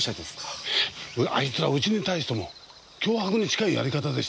あいつらうちに対しても脅迫に近いやり方でした。